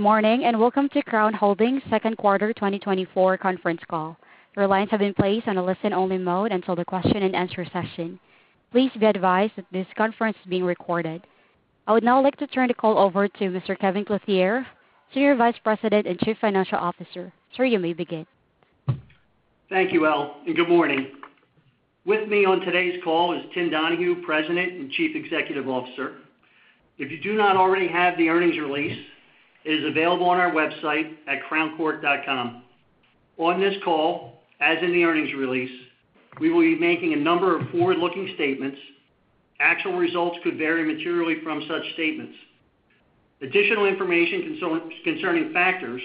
Good morning, and welcome to Crown Holdings' Second Quarter 2024 Conference Call. Your lines have been placed on a listen-only mode until the question-and-answer session. Please be advised that this conference is being recorded. I would now like to turn the call over to Mr. Kevin Clothier, Senior Vice President and Chief Financial Officer. Sir, you may begin. Thank you, Elle, and good morning. With me on today's call is Tim Donahue, President and Chief Executive Officer. If you do not already have the earnings release, it is available on our website at crowncorp.com. On this call, as in the earnings release, we will be making a number of forward-looking statements. Actual results could vary materially from such statements. Additional information concerning factors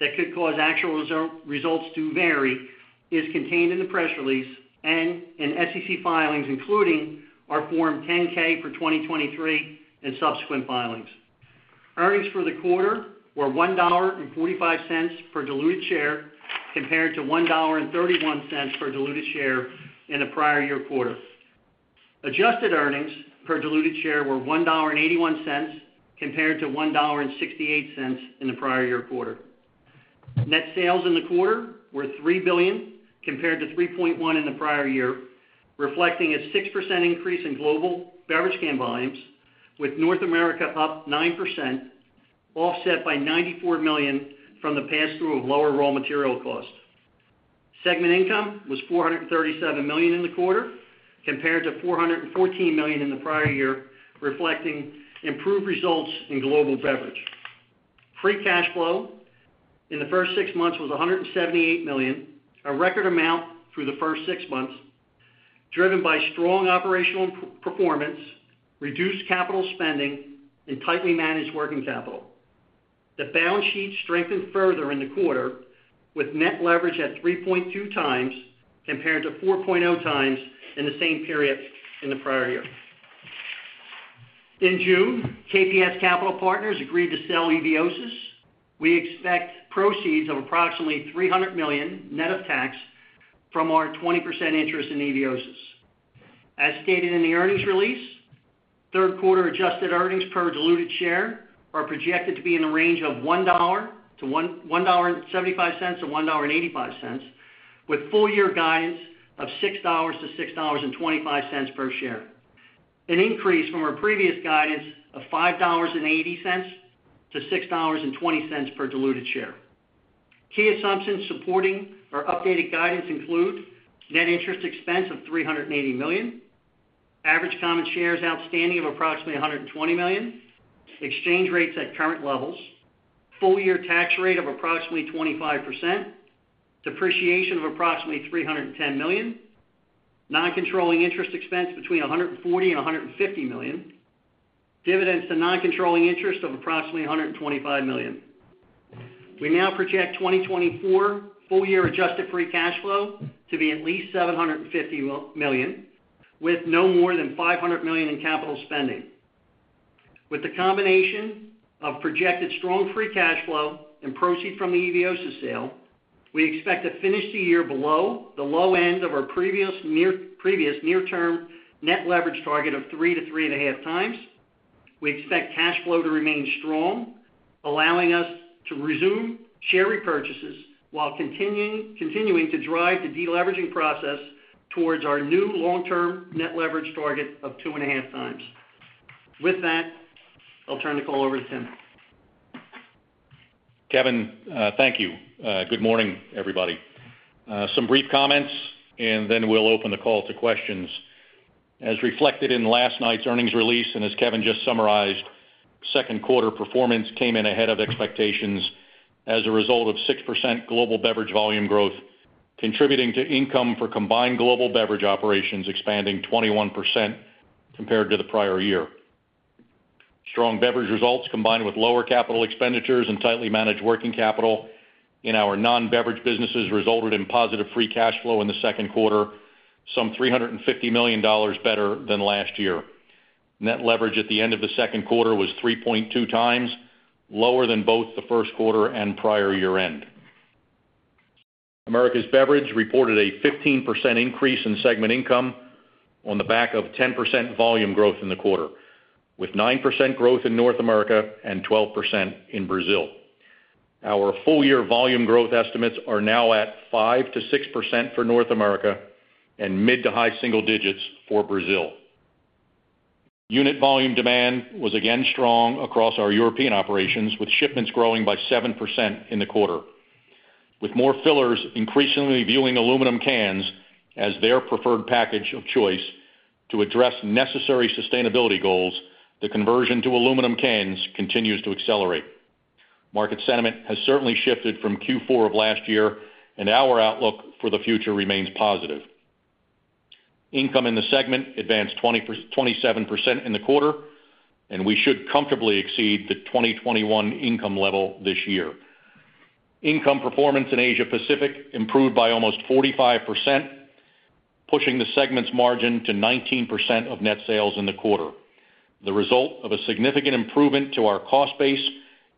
that could cause actual results to vary is contained in the press release and in SEC filings, including our Form 10-K for 2023 and subsequent filings. Earnings for the quarter were $1.45 per diluted share, compared to $1.31 per diluted share in the prior year quarter. Adjusted earnings per diluted share were $1.81, compared to $1.68 in the prior year quarter. Net sales in the quarter were $3 billion, compared to $3.1 billion in the prior year, reflecting a 6% increase in global beverage can volumes, with North America up 9%, offset by $94 million from the pass-through of lower raw material cost. Segment income was $437 million in the quarter, compared to $414 million in the prior year, reflecting improved results in global beverage. Free cash flow in the first six months was $178 million, a record amount through the first six months, driven by strong operational performance, reduced capital spending, and tightly managed working capital. The balance sheet strengthened further in the quarter, with net leverage at 3.2x, compared to 4.0x in the same period in the prior year. In June, KPS Capital Partners agreed to sell Eviosys. We expect proceeds of approximately $300 million, net of tax, from our 20% interest in Eviosys. As stated in the earnings release, third quarter adjusted earnings per diluted share are projected to be in the range of $1.00 to $1.00, $1.75 to $1.85, with full year guidance of $6.00-$6.25 per share, an increase from our previous guidance of $5.80-$6.20 per diluted share. Key assumptions supporting our updated guidance include net interest expense of $380 million, average common shares outstanding of approximately 120 million, exchange rates at current levels, full year tax rate of approximately 25%, depreciation of approximately $310 million, non-controlling interest expense between $140 million and $150 million, dividends to non-controlling interest of approximately $125 million. We now project 2024 full year adjusted free cash flow to be at least $750 million, with no more than $500 million in capital spending. With the combination of projected strong free cash flow and proceeds from the Eviosys sale, we expect to finish the year below the low end of our previous near-term net leverage target of 3-3.5 times. We expect cash flow to remain strong, allowing us to resume share repurchases while continuing to drive the deleveraging process towards our new long-term net leverage target of 2.5x. With that, I'll turn the call over to Tim. Kevin, thank you. Good morning, everybody. Some brief comments, and then we'll open the call to questions. As reflected in last night's earnings release, and as Kevin just summarized, second quarter performance came in ahead of expectations as a result of 6% global beverage volume growth, contributing to income for combined global beverage operations expanding 21% compared to the prior year. Strong beverage results, combined with lower capital expenditures and tightly managed working capital in our non-beverage businesses, resulted in positive free cash flow in the second quarter, some $350 million better than last year. Net leverage at the end of the second quarter was 3.2 times, lower than both the first quarter and prior year-end. Americas Beverage reported a 15% increase in segment income on the back of 10% volume growth in the quarter, with 9% growth in North America and 12% in Brazil. Our full-year volume growth estimates are now at 5%-6% for North America and mid to high single digits for Brazil. Unit volume demand was again strong across our European operations, with shipments growing by 7% in the quarter. With more fillers increasingly viewing aluminum cans as their preferred package of choice to address necessary sustainability goals, the conversion to aluminum cans continues to accelerate. Market sentiment has certainly shifted from Q4 of last year, and our outlook for the future remains positive. Income in the segment advanced 27% in the quarter, and we should comfortably exceed the 2021 income level this year. Income performance in Asia Pacific improved by almost 45%, pushing the segment's margin to 19% of net sales in the quarter, the result of a significant improvement to our cost base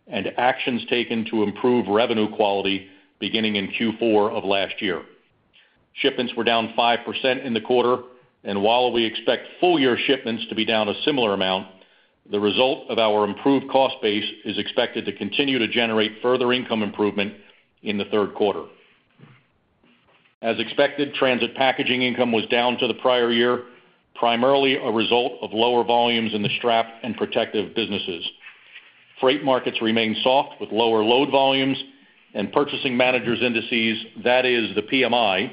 and actions taken to improve revenue quality beginning in Q4 of last year. Shipments were down 5% in the quarter, and while we expect full-year shipments to be down a similar amount, the result of our improved cost base is expected to continue to generate further income improvement in the third quarter. As expected, Transit packaging income was down to the prior year, primarily a result of lower volumes in the strap and protective businesses. Freight markets remain soft, with lower load volumes and purchasing managers' indices, that is the PMI,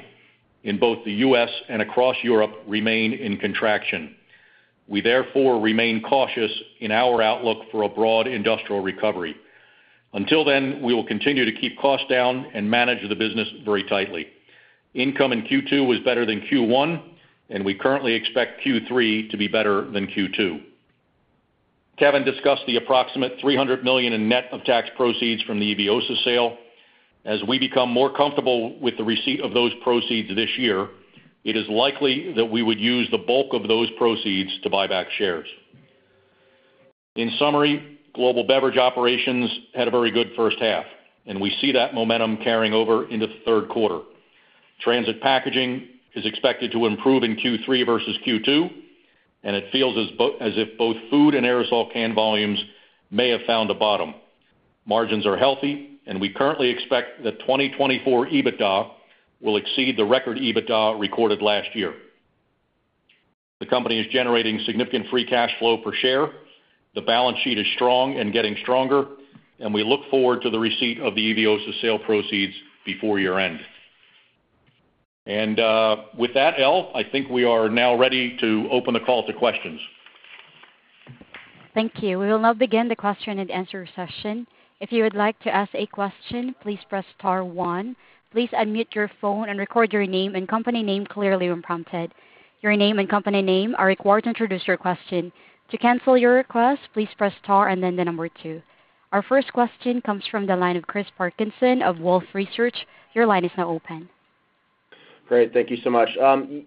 in both the U.S. and across Europe, remain in contraction. We therefore remain cautious in our outlook for a broad industrial recovery. Until then, we will continue to keep costs down and manage the business very tightly. Income in Q2 was better than Q1, and we currently expect Q3 to be better than Q2. Kevin discussed the approximate $300 million in net of tax proceeds from the Eviosys sale. As we become more comfortable with the receipt of those proceeds this year, it is likely that we would use the bulk of those proceeds to buy back shares. In summary, global beverage operations had a very good first half, and we see that momentum carrying over into the third quarter. Transit packaging is expected to improve in Q3 versus Q2, and it feels as if both food and aerosol can volumes may have found a bottom. Margins are healthy, and we currently expect that 2024 EBITDA will exceed the record EBITDA recorded last year. The company is generating significant free cash flow per share. The balance sheet is strong and getting stronger, and we look forward to the receipt of the Eviosys sale proceeds before year-end. With that, Elle, I think we are now ready to open the call to questions. Thank you. We will now begin the question and answer session. If you would like to ask a question, please press star one. Please unmute your phone and record your name and company name clearly when prompted. Your name and company name are required to introduce your question. To cancel your request, please press star and then the number two. Our first question comes from the line of Chris Parkinson of Wolfe Research. Your line is now open. Great. Thank you so much.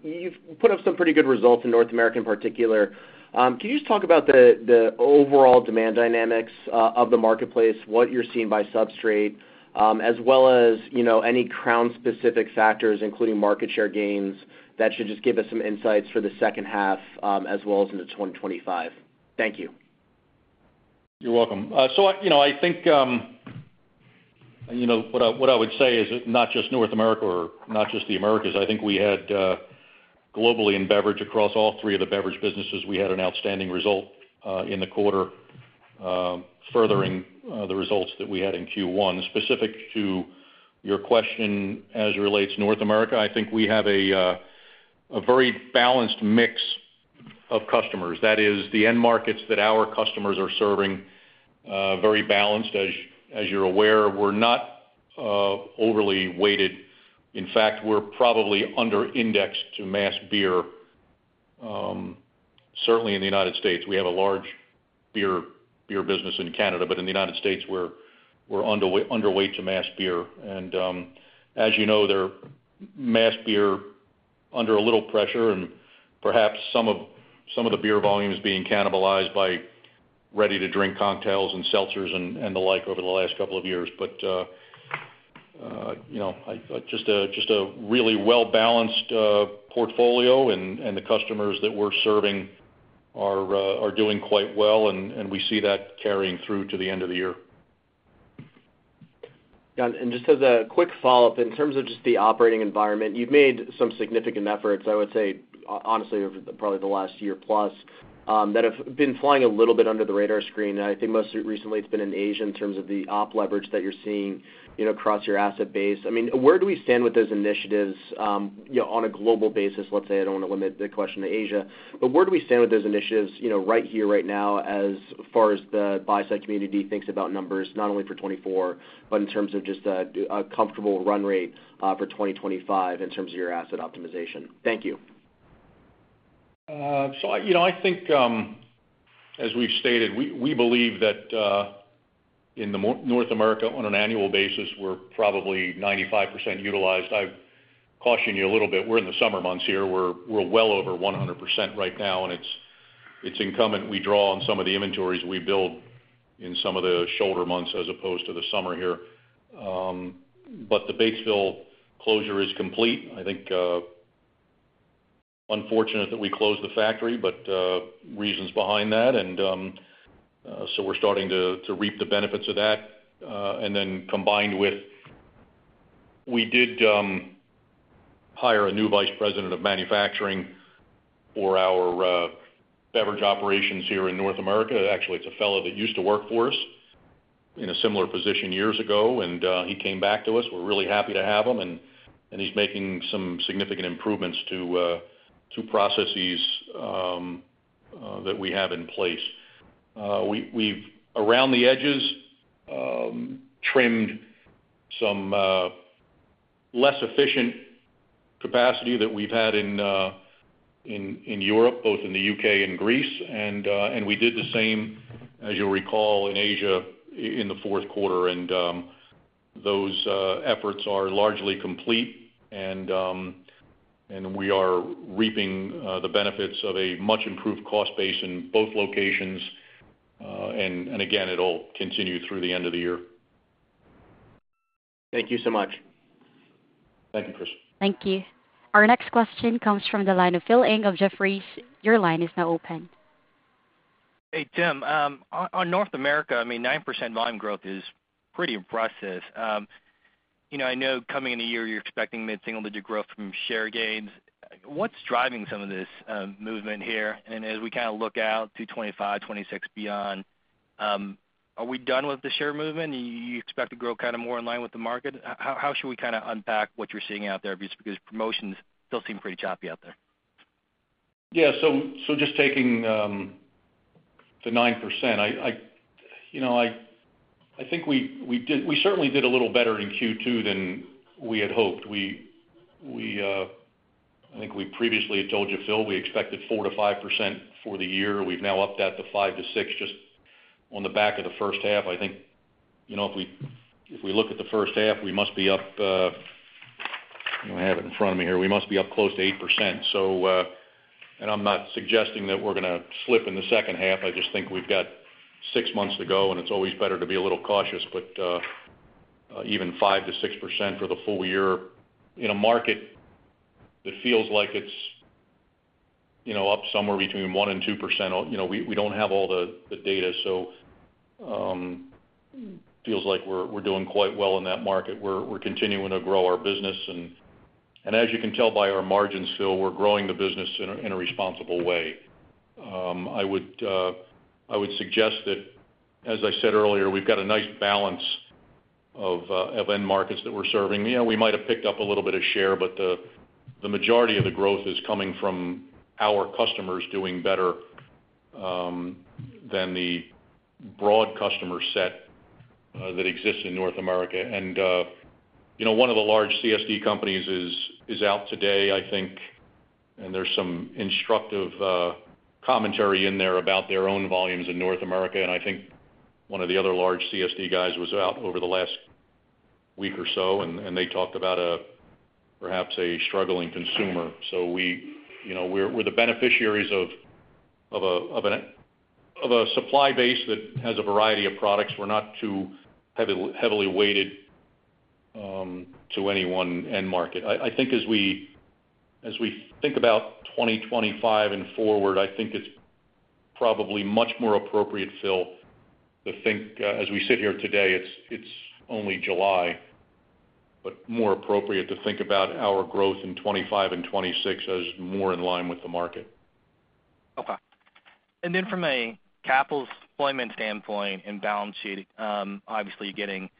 You've put up some pretty good results in North America in particular. Can you just talk about the overall demand dynamics of the marketplace, what you're seeing by substrate, as well as, you know, any Crown-specific factors, including market share gains, that should just give us some insights for the second half, as well as into 2025. Thank you. You're welcome. So I, you know, I think, you know, what I, what I would say is not just North America or not just the Americas. I think we had, globally in beverage across all three of the beverage businesses, we had an outstanding result in the quarter, furthering the results that we had in Q1. Specific to your question as it relates to North America, I think we have a very balanced mix of customers. That is, the end markets that our customers are serving, very balanced. As, as you're aware, we're not overly weighted. In fact, we're probably under indexed to mass beer, certainly in the United States. We have a large beer business in Canada, but in the United States, we're underweight to mass beer. As you know, the mass beer is under a little pressure, and perhaps some of the beer volume is being cannibalized by ready-to-drink cocktails and seltzers and the like over the last couple of years. But you know, just a really well-balanced portfolio, and the customers that we're serving are doing quite well, and we see that carrying through to the end of the year. Just as a quick follow-up, in terms of just the operating environment, you've made some significant efforts, I would say, honestly, over probably the last year plus, that have been flying a little bit under the radar screen. And I think most recently, it's been in Asia in terms of the op leverage that you're seeing, you know, across your asset base. I mean, where do we stand with those initiatives, you know, on a global basis, let's say, I don't want to limit the question to Asia, but where do we stand with those initiatives, you know, right here, right now, as far as the buy-side community thinks about numbers, not only for 2024, but in terms of just a comfortable run rate, for 2025 in terms of your asset optimization? Thank you. So I, you know, I think, as we've stated, we, we believe that, in the North America, on an annual basis, we're probably 95% utilized. I caution you a little bit. We're in the summer months here. We're well over 100% right now, and it's incumbent we draw on some of the inventories we build in some of the shoulder months as opposed to the summer here. But the Batesville closure is complete. I think unfortunate that we closed the factory, but reasons behind that, and so we're starting to reap the benefits of that. And then combined with... We did hire a new vice president of manufacturing for our beverage operations here in North America. Actually, it's a fellow that used to work for us in a similar position years ago, and he came back to us. We're really happy to have him, and he's making some significant improvements to processes that we have in place. We've around the edges trimmed some less efficient capacity that we've had in Europe, both in the UK and Greece, and we did the same, as you'll recall, in Asia in the fourth quarter, and those efforts are largely complete, and we are reaping the benefits of a much improved cost base in both locations, and again, it'll continue through the end of the year. Thank you so much. Thank you, Chris. Thank you. Our next question comes from the line of Philip Ng of Jefferies. Your line is now open. Hey, Tim, on North America, I mean, 9% volume growth is pretty impressive. You know, I know coming in the year, you're expecting mid-single-digit growth from share gains. What's driving some of this movement here? And as we kind of look out to 2025, 2026 beyond, are we done with the share movement? You expect to grow kind of more in line with the market. How should we kind of unpack what you're seeing out there? Because promotions still seem pretty choppy out there. Yeah, so just taking the 9%, you know, I think we did, we certainly did a little better in Q2 than we had hoped. I think we previously had told you, Phil, we expected 4%-5% for the year. We've now upped that to 5%-6%, just on the back of the first half. I think, you know, if we look at the first half, we must be up. I have it in front of me here. We must be up close to 8%. And I'm not suggesting that we're gonna slip in the second half. I just think we've got 6 months to go, and it's always better to be a little cautious, but even 5%-6% for the full year in a market that feels like it's, you know, up somewhere between 1%-2%. You know, we don't have all the data, so feels like we're doing quite well in that market. We're continuing to grow our business, and as you can tell by our margins, Phil, we're growing the business in a responsible way. I would suggest that, as I said earlier, we've got a nice balance of end markets that we're serving. You know, we might have picked up a little bit of share, but the majority of the growth is coming from our customers doing better than the broad customer set that exists in North America. And you know, one of the large CSD companies is out today, I think, and there's some instructive commentary in there about their own volumes in North America. And I think one of the other large CSD guys was out over the last week or so, and they talked about perhaps a struggling consumer. So we, you know, we're the beneficiaries of a supply base that has a variety of products. We're not too heavily weighted to any one end market. I think as we think about 2025 and forward, I think it's probably much more appropriate, Phil, to think as we sit here today, it's only July, but more appropriate to think about our growth in 2025 and 2026 as more in line with the market. Okay. Then from a capital deployment standpoint and balance sheet, obviously, you're getting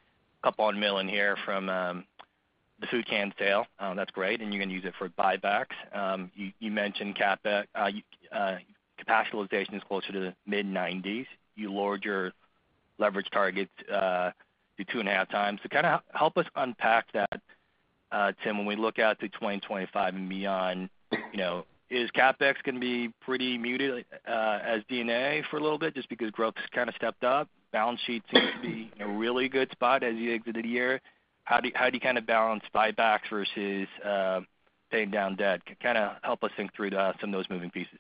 $200 million here from the food cans sale. That's great, and you're gonna use it for buybacks. You mentioned CapEx. Capitalization is closer to the mid-90s. You lowered your leverage targets to 2.5 times. So kind of help us unpack that, Tim, when we look out to 2025 and beyond, you know, is CapEx gonna be pretty muted down a notch for a little bit, just because growth has kind of stepped up? Balance sheet seems to be in a really good spot as you exit the year. How do you kind of balance buybacks versus paying down debt? Kind of help us think through some of those moving pieces.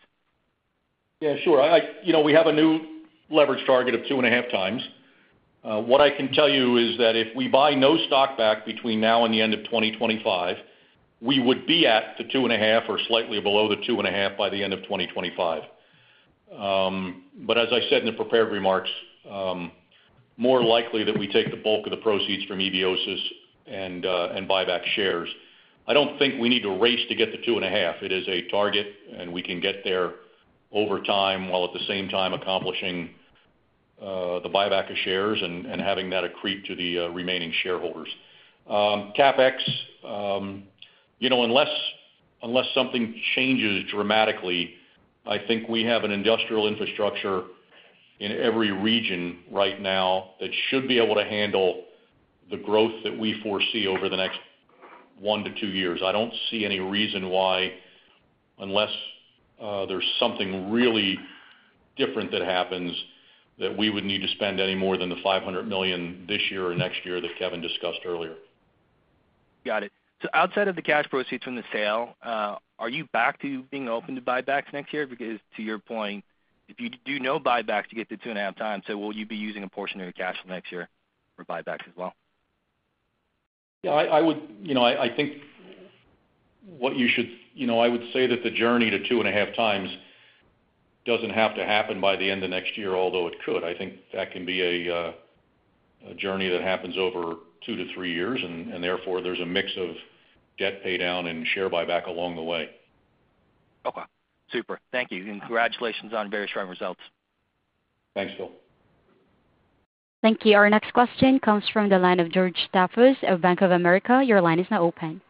Yeah, sure. I, you know, we have a new leverage target of 2.5x. What I can tell you is that if we buy no stock back between now and the end of 2025, we would be at the 2.5 or slightly below the 2.5 by the end of 2025. But as I said in the prepared remarks, more likely that we take the bulk of the proceeds from Eviosys and, and buy back shares. I don't think we need to race to get to 2.5. It is a target, and we can get there over time, while at the same time accomplishing, the buyback of shares and, and having that accrete to the, remaining shareholders. CapEx, you know, unless something changes dramatically, I think we have an industrial infrastructure in every region right now that should be able to handle the growth that we foresee over the next one to two years. I don't see any reason why, unless there's something really different that happens, that we would need to spend any more than the $500 million this year or next year that Kevin discussed earlier. Got it. So outside of the cash proceeds from the sale, are you back to being open to buybacks next year? Because to your point, if you do no buybacks, you get to 2.5 times. So will you be using a portion of your cash next year for buybacks as well? Yeah, I, I would. You know, I, I think what you should, you know, I would say that the journey to 2.5 times doesn't have to happen by the end of next year, although it could. I think that can be a journey that happens over 2 to 3 years, and therefore, there's a mix of debt paydown and share buyback along the way. Okay, super. Thank you. Congratulations on very strong results. Thanks, Phil. Thank you. Our next question comes from the line of George Staphos of Bank of America. Your line is now open.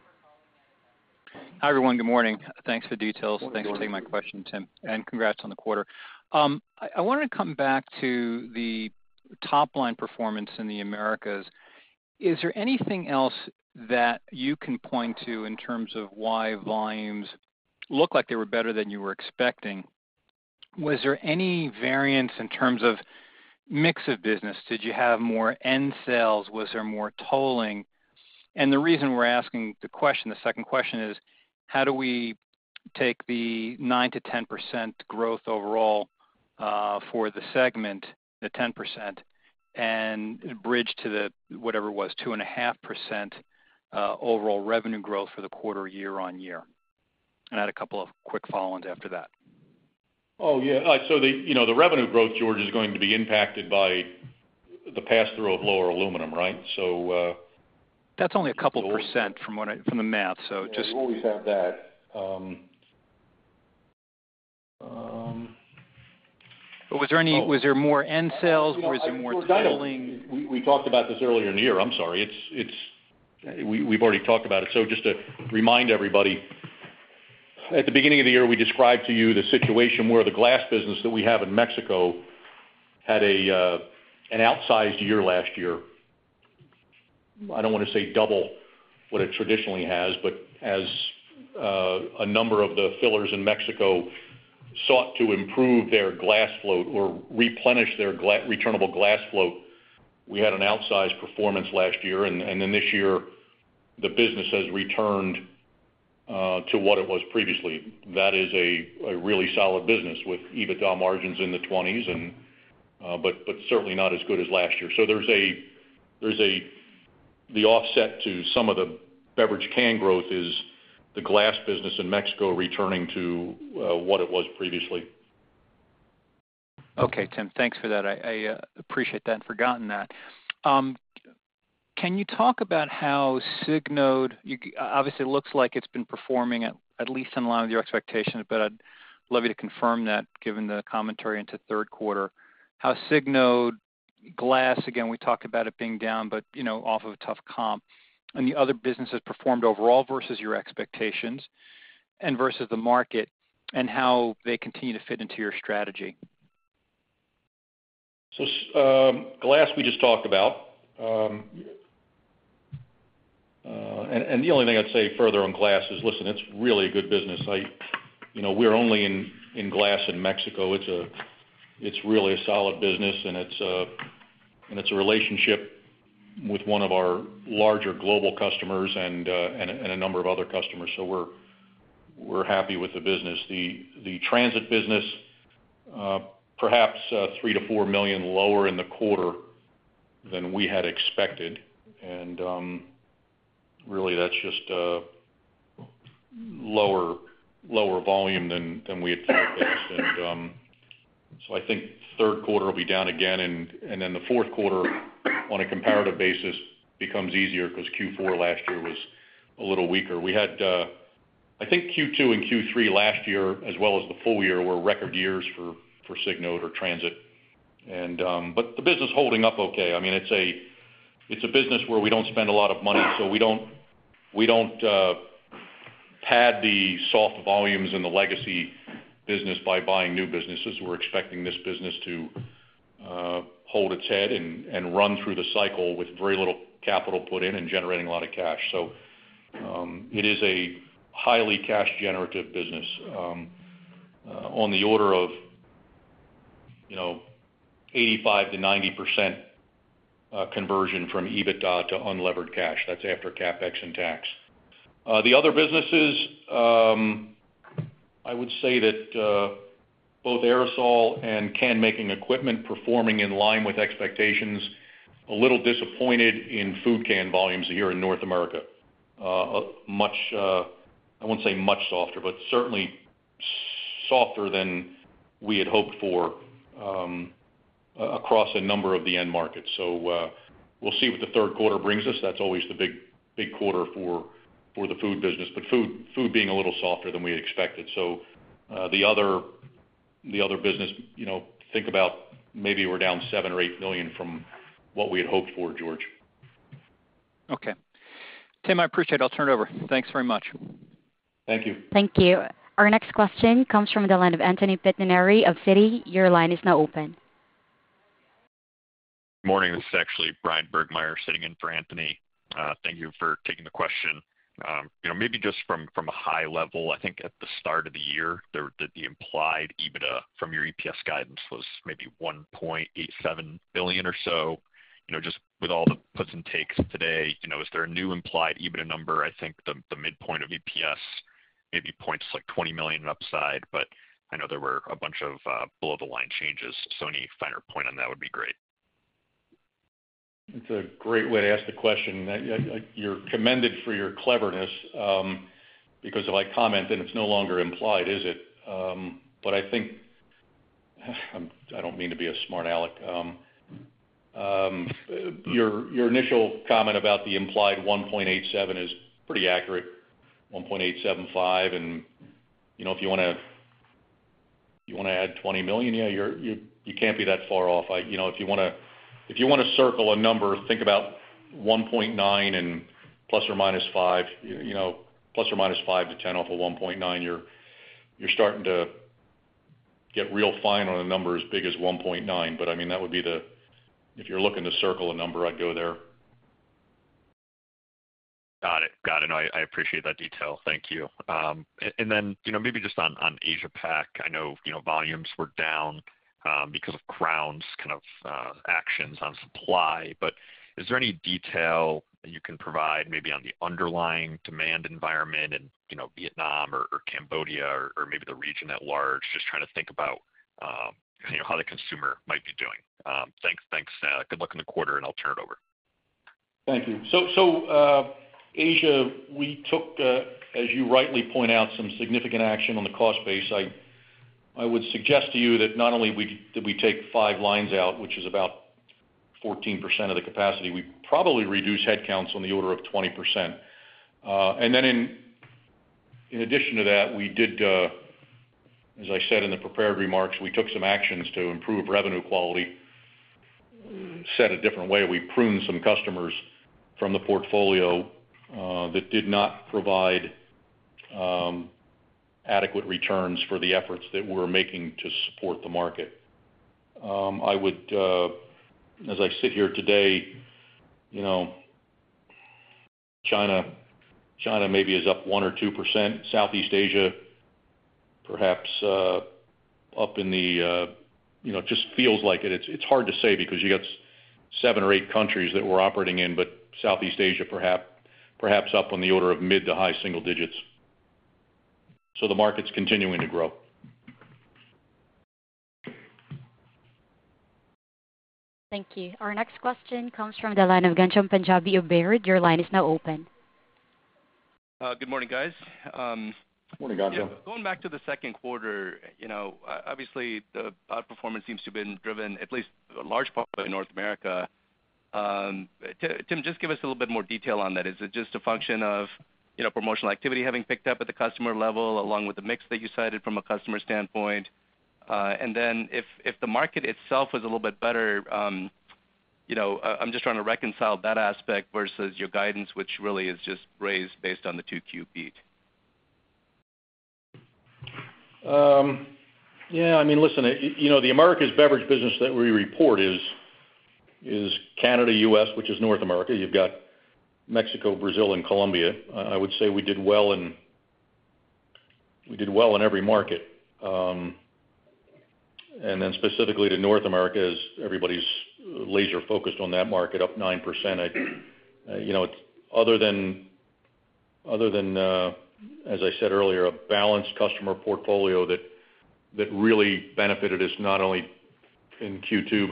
Hi, everyone. Good morning. Thanks for the details. Good morning. Thanks for taking my question, Tim, and congrats on the quarter. I wanna come back to the top-line performance in the Americas. Is there anything else that you can point to in terms of why volumes look like they were better than you were expecting? Was there any variance in terms of mix of business? Did you have more end sales? Was there more tolling? And the reason we're asking the question, the second question is, how do we take the 9%-10% growth overall, for the segment, the 10%, and bridge to the, whatever it was, 2.5%, overall revenue growth for the quarter, year-over-year? I had a couple of quick follow-ons after that. Oh, yeah. So the, you know, the revenue growth, George, is going to be impacted by the pass-through of lower aluminum, right? So, That's only a couple% from the math, so just- Yeah, we always have that. But was there any- Oh. Was there more net sales, or was it more idling? We talked about this earlier in the year. I'm sorry, it's, we've already talked about it. So just to remind everybody, at the beginning of the year, we described to you the situation where the glass business that we have in Mexico had an outsized year last year. I don't wanna say double what it traditionally has, but as a number of the fillers in Mexico sought to improve their glass float or replenish their returnable glass float, we had an outsized performance last year, and then this year, the business has returned to what it was previously. That is a really solid business with EBITDA margins in the 20s, and but certainly not as good as last year. The offset to some of the beverage can growth is the glass business in Mexico returning to what it was previously. Okay, Tim, thanks for that. I appreciate that, and forgotten that. Can you talk about how Signode... Obviously, it looks like it's been performing at least in line with your expectations, but I'd love you to confirm that, given the commentary into third quarter, how Signode, glass, again, we talked about it being down, but you know, off of a tough comp, and the other businesses performed overall versus your expectations and versus the market, and how they continue to fit into your strategy? So, glass, we just talked about. And the only thing I'd say further on glass is, listen, it's really a good business. You know, we're only in glass in Mexico. It's really a solid business, and it's a relationship with one of our larger global customers and a number of other customers, so we're happy with the business. The transit business, perhaps $3 million-$4 million lower in the quarter than we had expected, and really, that's just lower volume than we had forecast. So I think third quarter will be down again, and then the fourth quarter, on a comparative basis, becomes easier because Q4 last year was a little weaker. We had, I think Q2 and Q3 last year, as well as the full year, were record years for Signode or transit. But the business is holding up okay. I mean, it's a business where we don't spend a lot of money, so we don't pad the soft volumes in the legacy business by buying new businesses. We're expecting this business to hold its head and run through the cycle with very little capital put in and generating a lot of cash. So, it is a highly cash-generative business, on the order of, you know, 85%-90% conversion from EBITDA to unlevered cash. That's after CapEx and tax. The other businesses, I would say that both aerosol and can-making equipment performing in line with expectations, a little disappointed in food can volumes here in North America. Much, I wouldn't say much softer, but certainly softer than we had hoped for, across a number of the end markets. So, we'll see what the third quarter brings us. That's always the big, big quarter for the food business, but food being a little softer than we expected. So, the other business, you know, think about maybe we're down $7-$8 million from what we had hoped for, George. Okay. Tim, I appreciate it. I'll turn it over. Thanks very much. Thank you. Thank you. Our next question comes from the line of Anthony Pettinari of Citi. Your line is now open. Morning, this is actually Bryan Burgmeier sitting in for Anthony. Thank you for taking the question. You know, maybe just from a high level, I think at the start of the year, the implied EBITDA from your EPS guidance was maybe $1.87 billion or so. You know, just with all the puts and takes today, you know, is there a new implied EBITDA number? I think the midpoint of EPS maybe points like $20 million in upside, but I know there were a bunch of below-the-line changes. So any finer point on that would be great. It's a great way to ask the question. You're commended for your cleverness, because if I comment, then it's no longer implied, is it? But I think, I don't mean to be a smart alec. Your initial comment about the implied $1.87 is pretty accurate, $1.875, and, you know, if you wanna, you wanna add $20 million, yeah, you're, you, you can't be that far off. You know, if you wanna, if you wanna circle a number, think about $1.9 and plus or minus five. You know, plus or minus five to ten off of $1.9, you're, you're starting to get real fine on a number as big as $1.9. But, I mean, that would be the... If you're looking to circle a number, I'd go there. Got it, got it. No, I, I appreciate that detail. Thank you. And then, you know, maybe just on, on Asia Pac, I know, you know, volumes were down, because of Crown's kind of, actions on supply. But is there any detail that you can provide maybe on the underlying demand environment in, you know, Vietnam or Cambodia or maybe the region at large? Just trying to think about, you know, how the consumer might be doing. Thanks, thanks, good luck in the quarter, and I'll turn it over. Thank you. So, Asia, we took, as you rightly point out, some significant action on the cost base. I would suggest to you that not only did we take five lines out, which is about 14% of the capacity, we probably reduced headcounts on the order of 20%. And then, in addition to that, we did, as I said in the prepared remarks, we took some actions to improve revenue quality. Said a different way, we pruned some customers from the portfolio, that did not provide adequate returns for the efforts that we're making to support the market. I would, as I sit here today, you know, China maybe is up 1% or 2%. Southeast Asia, perhaps, up in the, you know, just feels like it. It's hard to say because you got seven or eight countries that we're operating in, but Southeast Asia, perhaps, perhaps up on the order of mid to high single digits. So the market's continuing to grow. Thank you. Our next question comes from the line of Ghansham Panjabi of Baird. Your line is now open. Good morning, guys. Morning, Ghansham. Yeah, going back to the second quarter, you know, obviously, the outperformance seems to have been driven, at least a large part, in North America. Tim, just give us a little bit more detail on that. Is it just a function of, you know, promotional activity having picked up at the customer level, along with the mix that you cited from a customer standpoint? And then if, if the market itself was a little bit better, you know, I'm just trying to reconcile that aspect versus your guidance, which really is just raised based on the 2Q beat. Yeah, I mean, listen, you know, the Americas beverage business that we report is Canada, U.S., which is North America. You've got Mexico, Brazil, and Colombia. I would say we did well in every market. And then specifically to North America, as everybody's laser focused on that market, up 9%. You know, other than, other than, as I said earlier, a balanced customer portfolio that really benefited us, not only in Q2,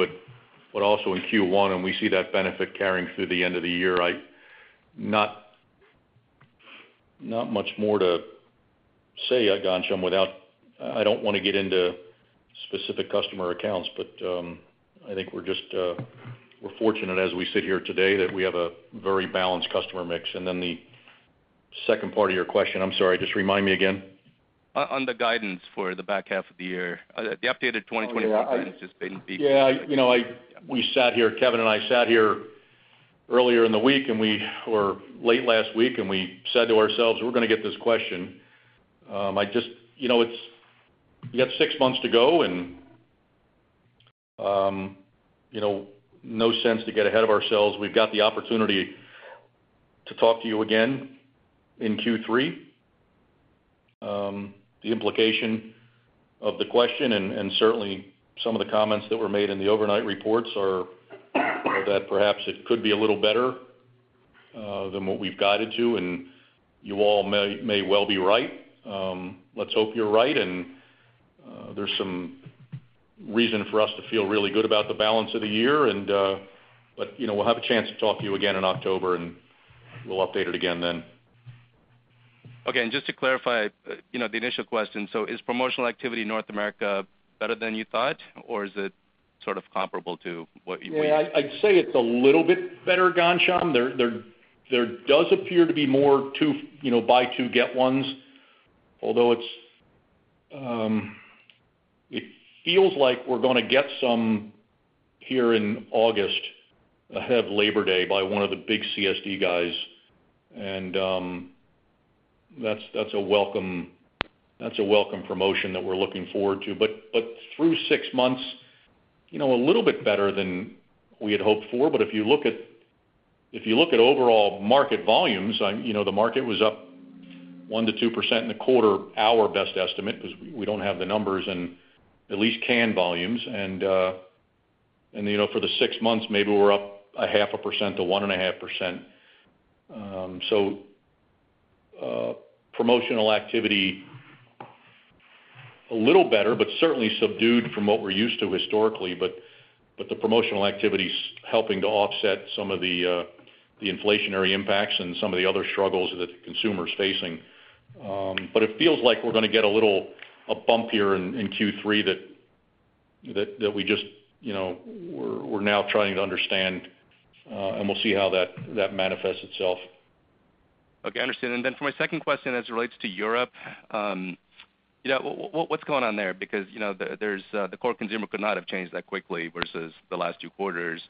but also in Q1, and we see that benefit carrying through the end of the year. I. Not much more to say, Ghansham, without- I don't want to get into specific customer accounts, but, I think we're just, we're fortunate as we sit here today that we have a very balanced customer mix. And then the second part of your question, I'm sorry, just remind me again. On the guidance for the back half of the year, the updated 2021 guidance has been beat. Yeah, you know, I, we sat here, Kevin and I sat here earlier in the week, and we, or late last week, and we said to ourselves, "We're gonna get this question." I just, you know, it's, you got six months to go, and, you know, no sense to get ahead of ourselves. We've got the opportunity to talk to you again in Q3. The implication of the question and, and certainly some of the comments that were made in the overnight reports are, are that perhaps it could be a little better, than what we've guided you, and you all may, may well be right. Let's hope you're right, and there's some reason for us to feel really good about the balance of the year, and but, you know, we'll have a chance to talk to you again in October, and we'll update it again then. Okay. And just to clarify, you know, the initial question, so is promotional activity in North America better than you thought, or is it sort of comparable to what you- Yeah, I'd say it's a little bit better, Ghansham. There, there, there does appear to be more 2, you know, buy two get ones, although it's, it feels like we're gonna get some here in August, ahead of Labor Day, by one of the big CSD guys, and, that's, that's a welcome, that's a welcome promotion that we're looking forward to. But, but through six months, you know, a little bit better than we had hoped for. But if you look at, if you look at overall market volumes, I'm, you know, the market was up 1%-2% in the quarter, our best estimate, because we don't have the numbers in at least canned volumes. And, and, you know, for the six months, maybe we're up 0.5%-1.5%. So, promotional activity, a little better, but certainly subdued from what we're used to historically, but the promotional activity's helping to offset some of the the inflationary impacts and some of the other struggles that the consumer is facing. But it feels like we're gonna get a little, a bump here in Q3 that we just, you know, we're now trying to understand, and we'll see how that manifests itself. Okay, understood. And then for my second question, as it relates to Europe, yeah, what's going on there? Because, you know, the core consumer could not have changed that quickly versus the last two quarters.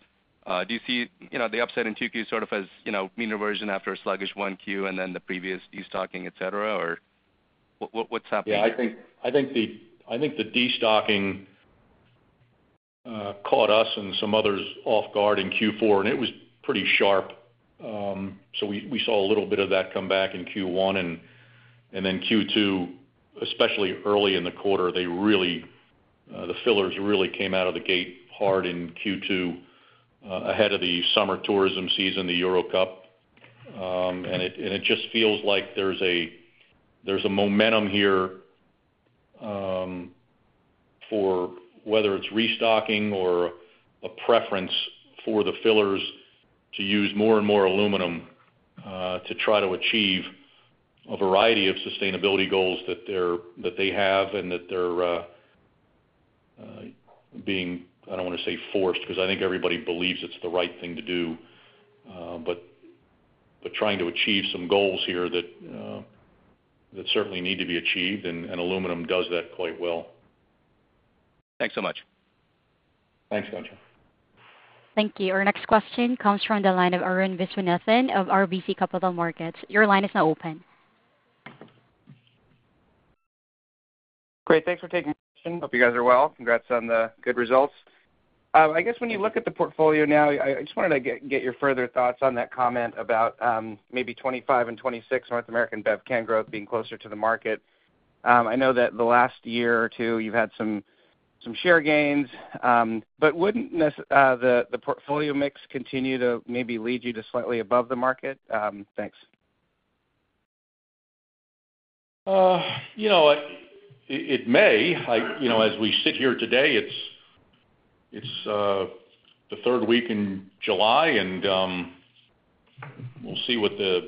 Do you see, you know, the upset in Q2 sort of as, you know, mean reversion after a sluggish 1Q and then the previous destocking, et cetera, or what's happening? Yeah, I think the destocking caught us and some others off guard in Q4, and it was pretty sharp. So we saw a little bit of that come back in Q1, and then Q2, especially early in the quarter, the fillers really came out of the gate hard in Q2, ahead of the summer tourism season, the Euro Cup. And it just feels like there's a momentum here, for whether it's restocking or a preference for the fillers to use more and more aluminum, to try to achieve a variety of sustainability goals that they have and that they're being, I don't wanna say forced, 'cause I think everybody believes it's the right thing to do. But, but trying to achieve some goals here that, that certainly need to be achieved, and, and aluminum does that quite well. Thanks so much. Thanks, Ghansham. Thank you. Our next question comes from the line of Arun Viswanathan of RBC Capital Markets. Your line is now open. Great, thanks for taking my question. Hope you guys are well. Congrats on the good results. I guess when you look at the portfolio now, I just wanted to get your further thoughts on that comment about maybe 2025 and 2026 North American Bevcan growth being closer to the market. I know that the last year or two, you've had some share gains, but wouldn't this, the portfolio mix continue to maybe lead you to slightly above the market? Thanks. You know, it may. You know, as we sit here today, it's the third week in July, and we'll see what the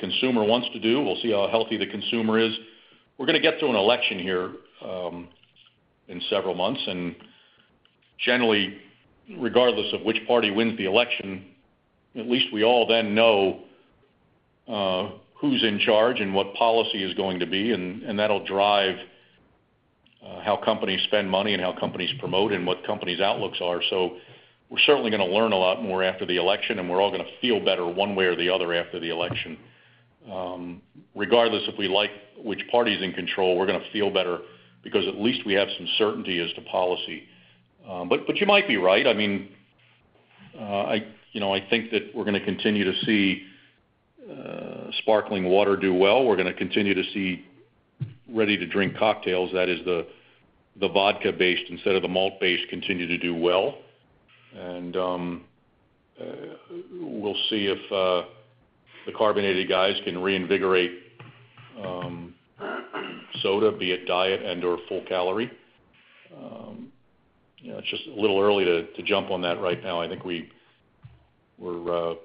consumer wants to do. We'll see how healthy the consumer is. We're gonna get to an election here in several months, and generally, regardless of which party wins the election, at least we all then know who's in charge and what policy is going to be, and that'll drive how companies spend money and how companies promote, and what companies' outlooks are. So we're certainly gonna learn a lot more after the election, and we're all gonna feel better one way or the other after the election. Regardless if we like which party's in control, we're gonna feel better because at least we have some certainty as to policy. But you might be right. I mean, you know, I think that we're gonna continue to see sparkling water do well. We're gonna continue to see ready-to-drink cocktails, that is the vodka-based instead of the malt-based, continue to do well. And we'll see if the carbonated guys can reinvigorate soda, be it diet and/or full calorie. You know, it's just a little early to jump on that right now. I think we're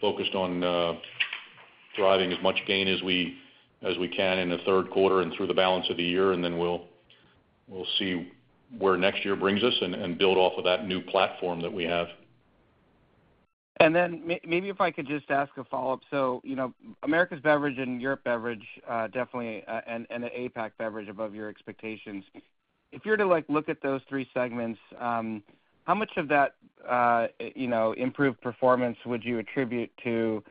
focused on driving as much gain as we can in the third quarter and through the balance of the year, and then we'll see where next year brings us and build off of that new platform that we have. And then maybe if I could just ask a follow-up. So, you know, Americas Beverage and Europe Beverage, definitely, and the APAC Beverage above your expectations. If you were to, like, look at those three segments, how much of that, you know, improved performance would you attribute to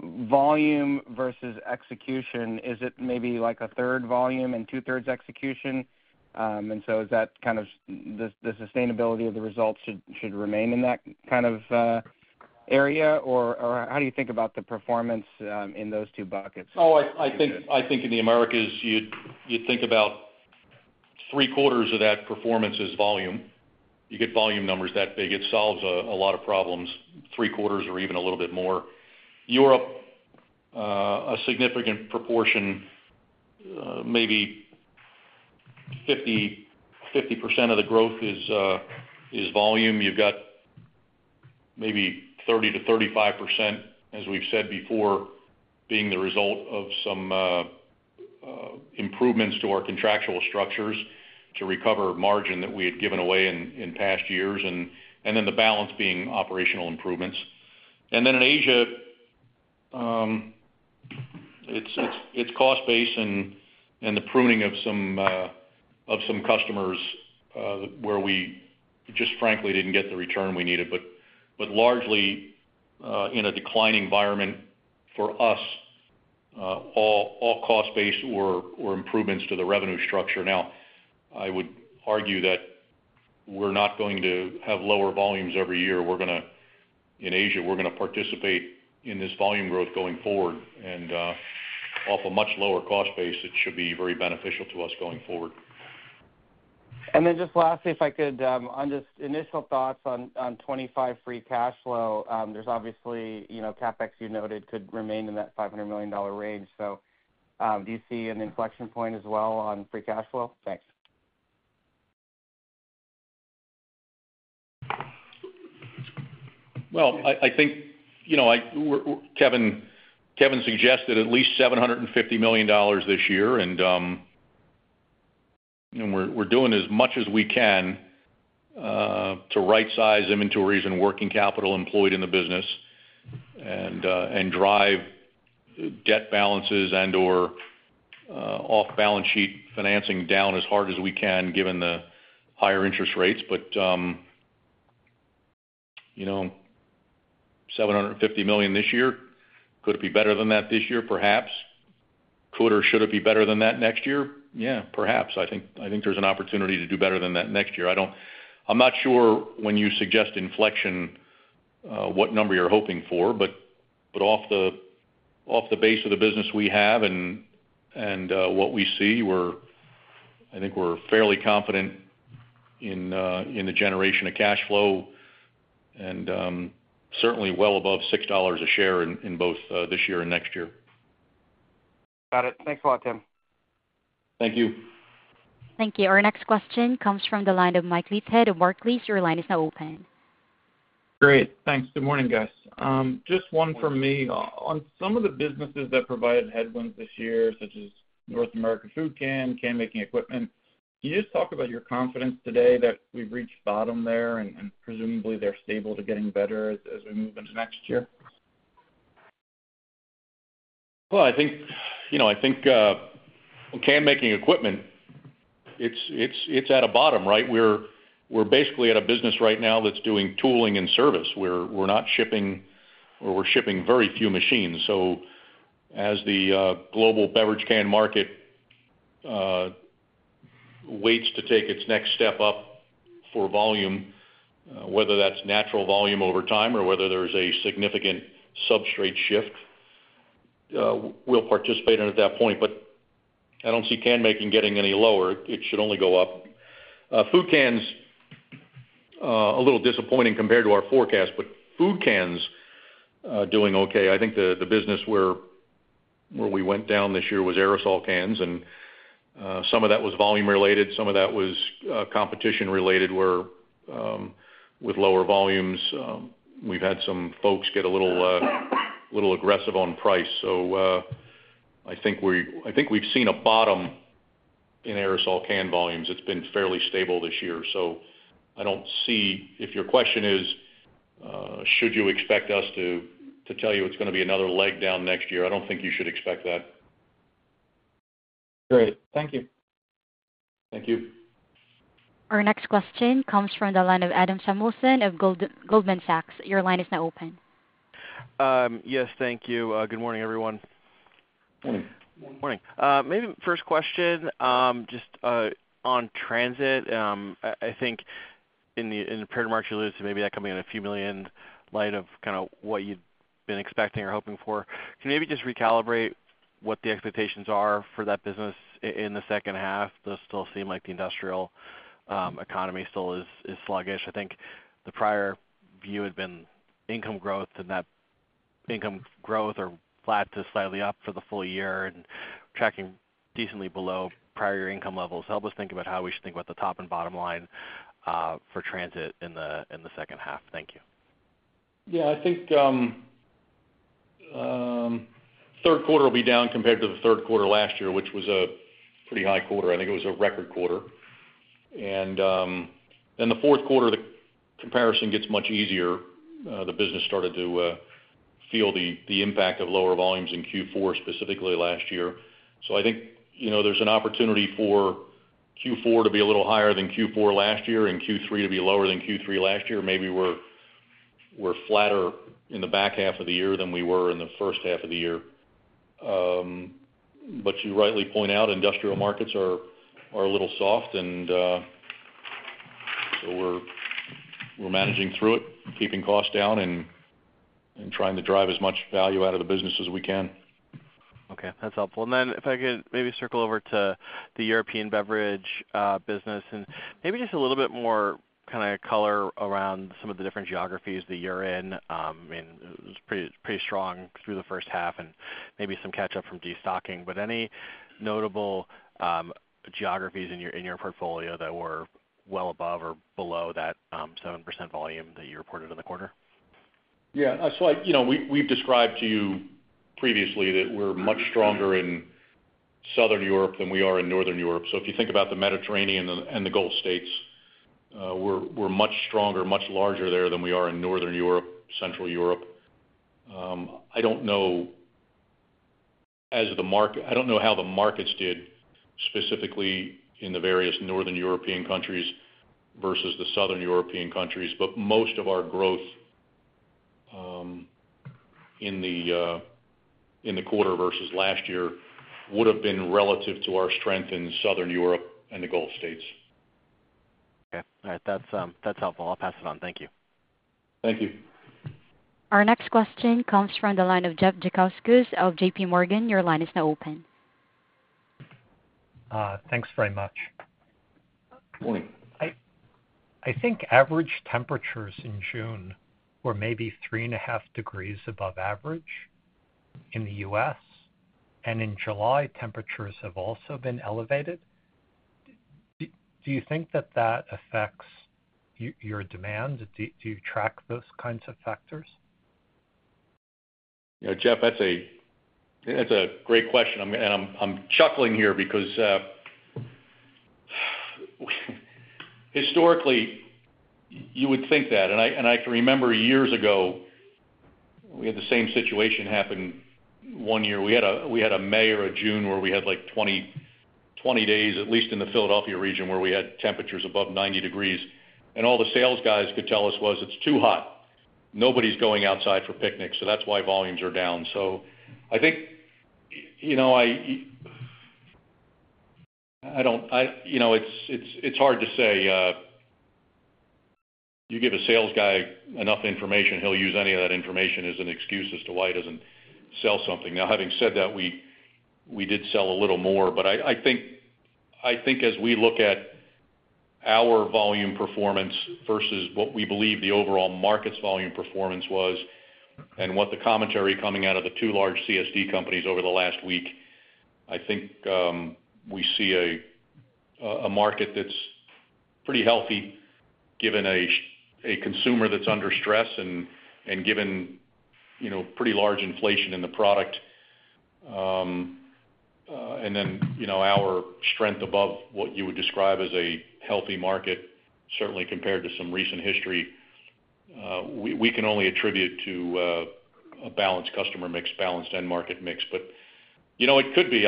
volume versus execution? Is it maybe, like, a third volume and two-thirds execution? And so is that kind of the sustainability of the results should remain in that kind of area, or how do you think about the performance in those two buckets? Oh, I think in the Americas, you'd think about three-quarters of that performance is volume. You get volume numbers that big, it solves a lot of problems, three-quarters or even a little bit more. Europe, a significant proportion, maybe 50/50% of the growth is volume. You've got maybe 30%-35%, as we've said before, being the result of some improvements to our contractual structures to recover margin that we had given away in past years, and then the balance being operational improvements. And then in Asia, it's cost base and the pruning of some customers, where we just frankly didn't get the return we needed. But largely, in a declining environment for us, all cost base or improvements to the revenue structure. Now, I would argue that we're not going to have lower volumes every year. We're gonna-- In Asia, we're gonna participate in this volume growth going forward, and, off a much lower cost base, it should be very beneficial to us going forward. Then just lastly, if I could, on just initial thoughts on 2025 free cash flow, there's obviously, you know, CapEx you noted could remain in that $500 million range. So, do you see an inflection point as well on free cash flow? Thanks. Well, I think, you know, Kevin suggested at least $750 million this year, and we're doing as much as we can to rightsize inventories and working capital employed in the business, and drive debt balances and/or off-balance sheet financing down as hard as we can, given the higher interest rates. But you know, $750 million this year. Could it be better than that this year? Perhaps. Could or should it be better than that next year? Yeah, perhaps. I think there's an opportunity to do better than that next year. I don't—I'm not sure when you suggest inflection, what number you're hoping for, but off the base of the business we have and what we see, we're—I think we're fairly confident in the generation of cash flow, and certainly well above $6 a share in both this year and next year. Got it. Thanks a lot, Tim. Thank you. Thank you. Our next question comes from the line of Mike Leithead of Barclays. Your line is now open. Great. Thanks. Good morning, guys. Just one from me. On some of the businesses that provided headwinds this year, such as North America Food Can, Can Making Equipment, can you just talk about your confidence today that we've reached bottom there, and, and presumably they're stable to getting better as, as we move into next year? Well, I think, you know, I think can making equipment, it's at a bottom, right? We're basically at a business right now that's doing tooling and service. We're not shipping, or we're shipping very few machines. So as the global beverage can market waits to take its next step up for volume, whether that's natural volume over time or whether there's a significant substrate shift, we'll participate in it at that point. But I don't see can making getting any lower. It should only go up. Food cans, a little disappointing compared to our forecast, but food cans are doing okay. I think the business where we went down this year was aerosol cans, and some of that was volume related, some of that was competition related, where with lower volumes we've had some folks get a little little aggressive on price. So I think we've seen a bottom in aerosol can volumes. It's been fairly stable this year, so I don't see... If your question is should you expect us to tell you it's gonna be another leg down next year, I don't think you should expect that. Great. Thank you. Thank you. Our next question comes from the line of Adam Samuelson of Goldman Sachs. Your line is now open. Yes, thank you. Good morning, everyone. Good morning. Maybe first question, just on transit. I think in the period of March, you lose to maybe that coming in $a few million in light of kind of what you've been expecting or hoping for. Can you maybe just recalibrate what the expectations are for that business in the second half? Does still seem like the industrial economy still is sluggish. I think the prior view had been income growth, and that income growth are flat to slightly up for the full year and tracking decently below prior year income levels. Help us think about how we should think about the top and bottom line for transit in the second half. Thank you. Yeah, I think, third quarter will be down compared to the third quarter last year, which was a pretty high quarter. I think it was a record quarter. And then the fourth quarter, the comparison gets much easier. The business started to feel the impact of lower volumes in Q4, specifically last year. So I think, you know, there's an opportunity for Q4 to be a little higher than Q4 last year and Q3 to be lower than Q3 last year. Maybe we're flatter in the back half of the year than we were in the first half of the year. But you rightly point out, industrial markets are a little soft, and so we're managing through it, keeping costs down and trying to drive as much value out of the business as we can. Okay, that's helpful. Then if I could maybe circle over to the European beverage business, and maybe just a little bit more kind of color around some of the different geographies that you're in. It was pretty, pretty strong through the first half, and maybe some catch up from destocking. But any notable geographies in your, in your portfolio that were well above or below that 7% volume that you reported in the quarter? Yeah, so you know, we've described to you previously that we're much stronger in Southern Europe than we are in Northern Europe. So if you think about the Mediterranean and the Gulf states, we're much stronger, much larger there than we are in Northern Europe, Central Europe. I don't know how the markets did, specifically in the various Northern European countries versus the Southern European countries, but most of our growth in the quarter versus last year would've been relative to our strength in Southern Europe and the Gulf states. Okay. All right. That's, that's helpful. I'll pass it on. Thank you. Thank you. Our next question comes from the line of Jeffrey Zekauskas of JPMorgan. Your line is now open. Thanks very much. Good morning. I think average temperatures in June were maybe 3.5 degrees above average in the U.S., and in July, temperatures have also been elevated. Do you think that that affects your demand? Do you track those kinds of factors? You know, Jeff, that's a great question, and I'm chuckling here because historically, you would think that. And I can remember years ago. We had the same situation happen one year. We had a May or a June where we had, like, 20, 20 days, at least in the Philadelphia region, where we had temperatures above 90 degrees Fahrenheit, and all the sales guys could tell us was, "It's too hot. Nobody's going outside for picnics, so that's why volumes are down." So I think, you know, I don't, you know, it's hard to say. You give a sales guy enough information, he'll use any of that information as an excuse as to why he doesn't sell something. Now, having said that, we did sell a little more, but I think as we look at our volume performance versus what we believe the overall market's volume performance was, and what the commentary coming out of the two large CSD companies over the last week, I think we see a market that's pretty healthy, given a consumer that's under stress and given, you know, pretty large inflation in the product. And then, you know, our strength above what you would describe as a healthy market, certainly compared to some recent history, we can only attribute to a balanced customer mix, balanced end market mix. But, you know, it could be.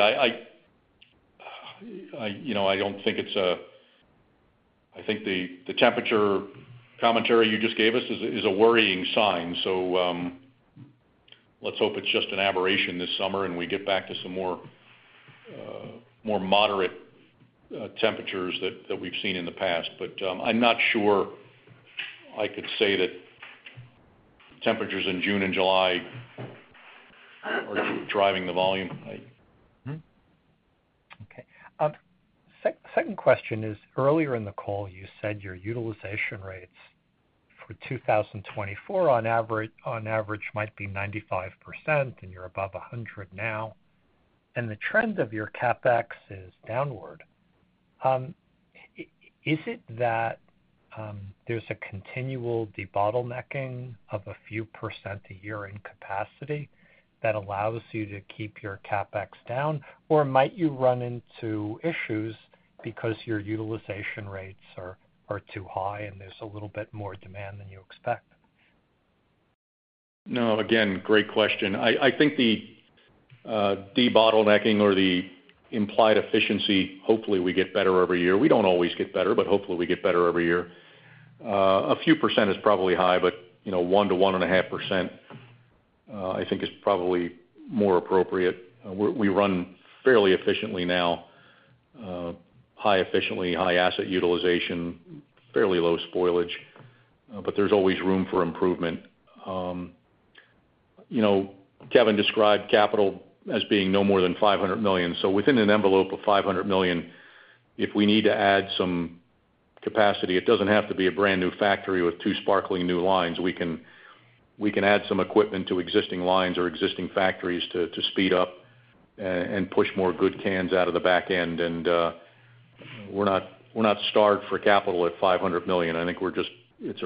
You know, I don't think it's a-- I think the temperature commentary you just gave us is a worrying sign. So, let's hope it's just an aberration this summer, and we get back to some more moderate temperatures that we've seen in the past. But, I'm not sure I could say that temperatures in June and July are driving the volume. I- Mm-hmm. Okay. Second question is, earlier in the call, you said your utilization rates for 2024 on average, on average, might be 95%, and you're above 100 now, and the trend of your CapEx is downward. Is it that there's a continual debottlenecking of a few percent a year in capacity that allows you to keep your CapEx down, or might you run into issues because your utilization rates are too high, and there's a little bit more demand than you expect? No, again, great question. I think the debottlenecking or the implied efficiency, hopefully, we get better every year. We don't always get better, but hopefully we get better every year. A few % is probably high, but, you know, 1%-1.5%, I think is probably more appropriate. We run fairly efficiently now, highly efficiently, high asset utilization, fairly low spoilage, but there's always room for improvement. You know, Kevin described capital as being no more than $500 million. So within an envelope of $500 million, if we need to add some capacity, it doesn't have to be a brand-new factory with two sparkling new lines. We can, we can add some equipment to existing lines or existing factories to speed up and push more good cans out of the back end. We're not starved for capital at $500 million. I think we're just, it's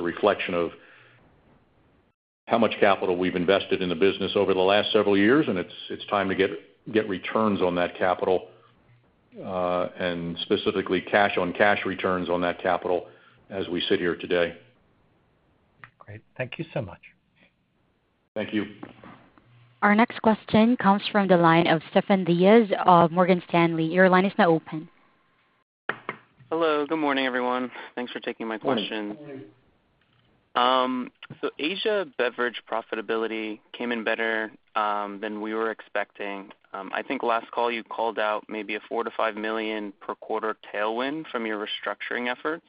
a reflection of how much capital we've invested in the business over the last several years, and it's time to get returns on that capital, and specifically, cash on cash returns on that capital as we sit here today. Great. Thank you so much. Thank you. Our next question comes from the line of Stefan Diaz of Morgan Stanley. Your line is now open. Hello, good morning, everyone. Thanks for taking my question. Good morning. So Asia beverage profitability came in better than we were expecting. I think last call, you called out maybe a $4 million-$5 million per quarter tailwind from your restructuring efforts.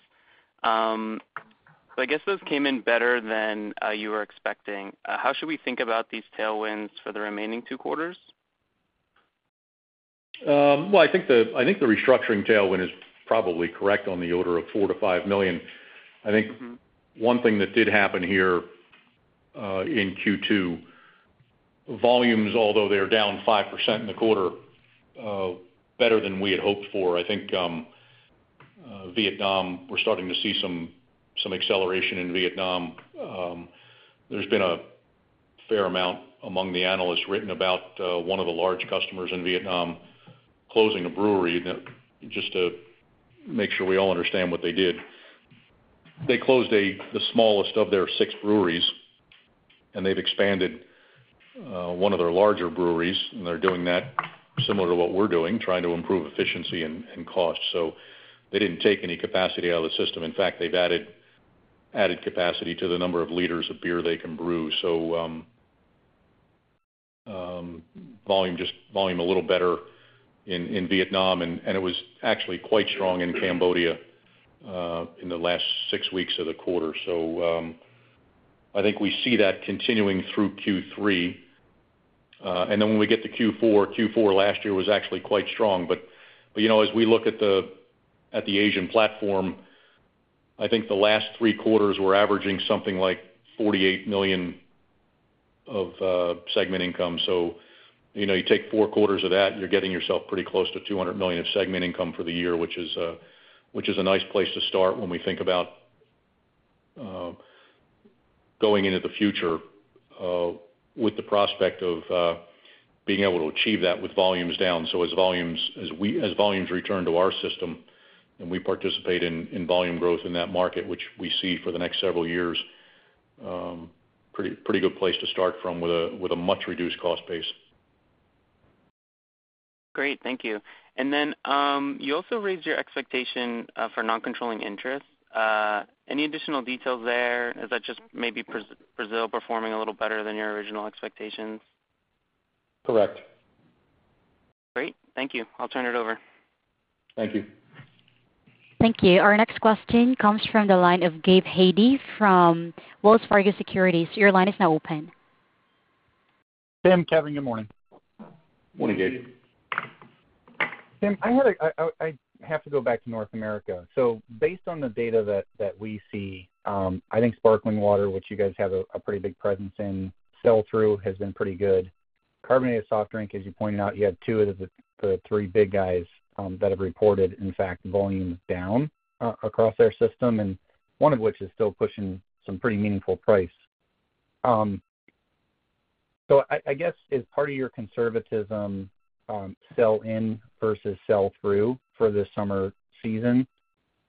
So I guess those came in better than you were expecting. How should we think about these tailwinds for the remaining two quarters? Well, I think the, I think the restructuring tailwind is probably correct on the order of $4 million-$5 million. Mm-hmm. I think one thing that did happen here in Q2, volumes, although they were down 5% in the quarter, better than we had hoped for. I think, Vietnam, we're starting to see some acceleration in Vietnam. There's been a fair amount among the analysts written about one of the large customers in Vietnam closing a brewery. Now, just to make sure we all understand what they did, they closed the smallest of their six breweries, and they've expanded one of their larger breweries, and they're doing that similar to what we're doing, trying to improve efficiency and cost. So they didn't take any capacity out of the system. In fact, they've added capacity to the number of liters of beer they can brew. So, volume just a little better in Vietnam, and it was actually quite strong in Cambodia in the last six weeks of the quarter. So, I think we see that continuing through Q3. And then when we get to Q4, Q4 last year was actually quite strong. But, you know, as we look at the Asian platform, I think the last three quarters were averaging something like $48 million of segment income. So, you know, you take four quarters of that, and you're getting yourself pretty close to $200 million of segment income for the year, which is a nice place to start when we think about going into the future with the prospect of being able to achieve that with volumes down. So as volumes return to our system, and we participate in volume growth in that market, which we see for the next several years, pretty good place to start from with a much-reduced cost base. Great, thank you. Then, you also raised your expectation for non-controlling interest. Any additional details there? Is that just maybe Brazil performing a little better than your original expectations? Correct. Great, thank you. I'll turn it over. Thank you. Thank you. Our next question comes from the line of Gabe Hajde from Wells Fargo Securities. Your line is now open. Tim, Kevin, good morning. Morning, Gabe. Tim, I have to go back to North America. So based on the data that we see, I think sparkling water, which you guys have a pretty big presence in, sell-through, has been pretty good. Carbonated soft drink, as you pointed out, you had two of the three big guys that have reported, in fact, volumes down across their system, and one of which is still pushing some pretty meaningful price. So I guess is part of your conservatism, sell-in versus sell-through for this summer season,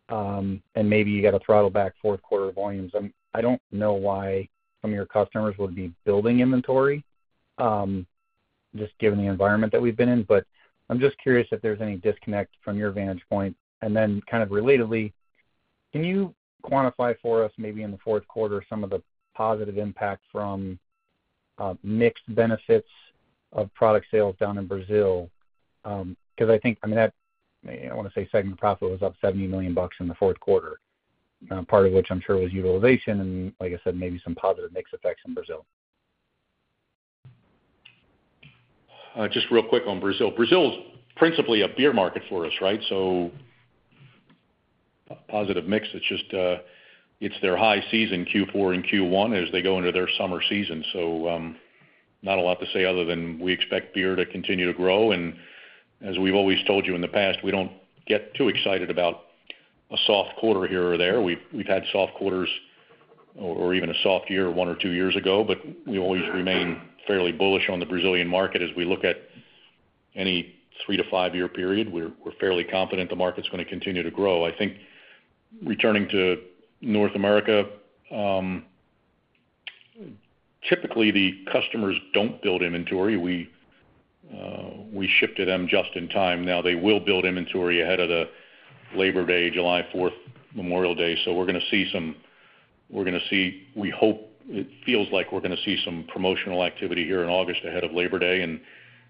and maybe you got to throttle back fourth quarter volumes? I don't know why some of your customers would be building inventory, just given the environment that we've been in. But I'm just curious if there's any disconnect from your vantage point. Then kind of relatedly, can you quantify for us, maybe in the fourth quarter, some of the positive impact from, mix benefits of product sales down in Brazil? Because I think, I mean, that, I want to say segment profit was up $70 million in the fourth quarter, part of which I'm sure was utilization, and like I said, maybe some positive mix effects in Brazil. Just real quick on Brazil. Brazil is principally a beer market for us, right? So positive mix, it's just, it's their high season, Q4 and Q1, as they go into their summer season. So, not a lot to say other than we expect beer to continue to grow. And as we've always told you in the past, we don't get too excited about a soft quarter here or there. We've had soft quarters or even a soft year, one or two years ago, but we always remain fairly bullish on the Brazilian market. As we look at any three to five-year period, we're fairly confident the market's gonna continue to grow. I think returning to North America, typically, the customers don't build inventory. We ship to them just in time. Now, they will build inventory ahead of Labor Day, July Fourth, Memorial Day. So we're gonna see some, we're gonna see, we hope, it feels like we're gonna see some promotional activity here in August ahead of Labor Day, and,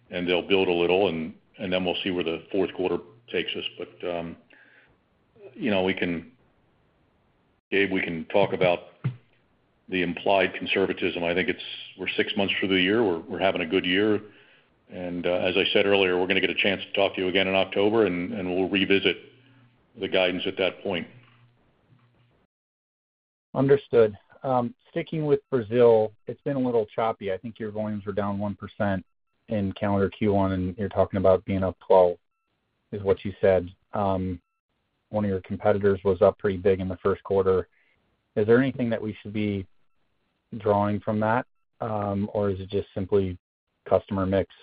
and they'll build a little, and, and then we'll see where the fourth quarter takes us. But, you know, we can, Gabe, we can talk about the implied conservatism. I think it's, we're six months through the year. We're, we're having a good year. And, as I said earlier, we're gonna get a chance to talk to you again in October, and, and we'll revisit the guidance at that point. Understood. Sticking with Brazil, it's been a little choppy. I think your volumes were down 1% in calendar Q1, and you're talking about being up 12%, is what you said. One of your competitors was up pretty big in the first quarter. Is there anything that we should be drawing from that? Or is it just simply customer mix